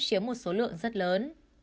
chiếm một số lượng rất lớn